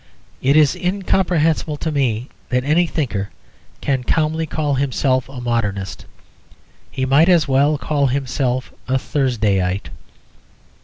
It is incomprehensible to me that any thinker can calmly call himself a modernist; he might as well call himself a Thursdayite.